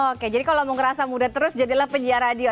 oke jadi kalau mau ngerasa muda terus jadilah penyiar radio